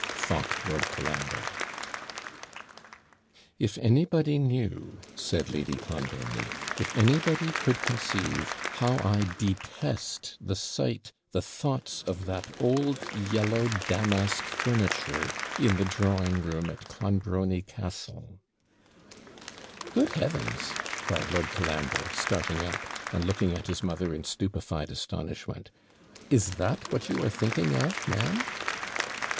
thought Lord Colambre. 'If anybody knew,' said Lady Clonbrony, 'if anybody could conceive, how I detest the sight, the thoughts of that old yellow damask furniture, in the drawing room at Clonbrony Castle ' 'Good heavens!' cried Lord Colambre, starting up, and looking at his mother in stupefied astonishment; 'is THAT what you are thinking of, ma'am?'